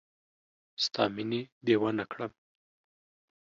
ستا مینې دیوانه کړم